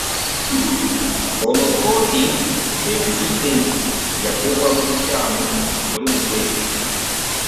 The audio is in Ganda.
Ono kkooti ekizudde nti yagobwa mu bukyamu ku mulimu gwe.